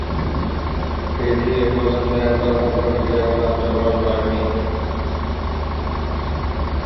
Fiji এপর্যন্ত একবারও FIFA বিশ্বকাপে অংশগ্রহণ করতে পারেনি।